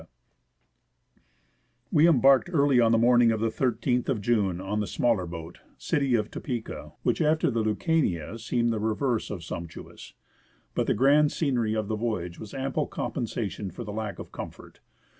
18 FROM SEATTLE TO JUNEAU We embarked early on the morning of the 13th of June on the smaller boat, City of Topeka, which after the Ltuajiia seemed the reverse of sumptuous. But the grand scenery of the voyage was ample compensation for lack of comfort.